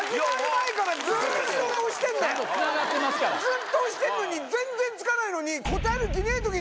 ずっと押してんのに全然つかないのに。